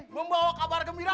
membawa kabar gembira